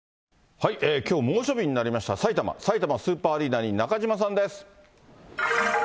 きょう猛暑日になりました、埼玉、さいたまスーパーアリーナに中島さんです。